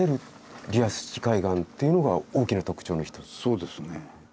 そうですね。